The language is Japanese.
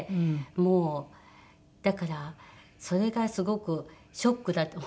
もうだからそれがすごくショックだった。